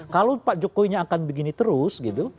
kalau pak jokowinya akan begini terus gitu